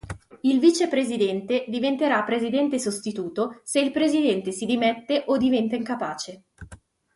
Il vicepresidente diventerà presidente sostituto se il presidente si dimette o diventa incapace.